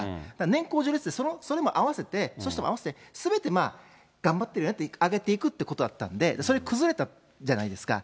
年功序列って、それも合わせて、そういう人も合わせて、すべてまあ頑張ってるよって言って上げていくということだったんで、それ、崩れたじゃないですか。